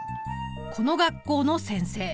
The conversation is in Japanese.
この学校の先生！